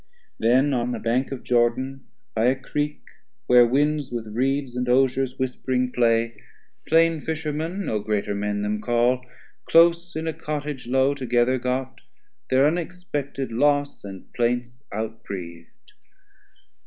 Then on the bank of Jordan, by a Creek: Where winds with Reeds, and Osiers whisp'ring play Plain Fishermen, no greater men them call, Close in a Cottage low together got Thir unexpected loss and plaints out breath'd.